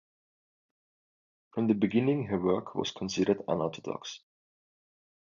From the beginning her work was considered unorthodox.